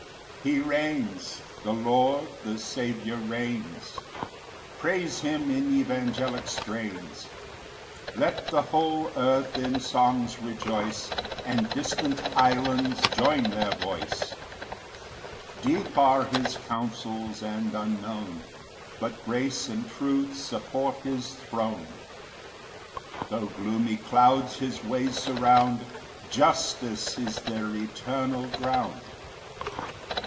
1 He reigns; the Lord, the Saviour reigns; Praise him in evangelic strains; Let the whole earth in songs rejoice, And distant islands join their voice. 2 Deep are his counsels and unknown; But grace and truth support his throne: Tho' gloomy clouds his ways surround, Justice is their eternal ground.